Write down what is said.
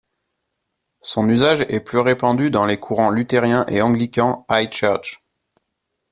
Son usage est plus répandu dans les courants luthériens et anglicans High Church.